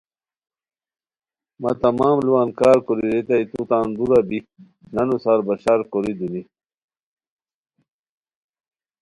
مہ تمام ُ لووان کار کوری ریتائے تو تان دُورا بی نانو سار بشار کوری دونی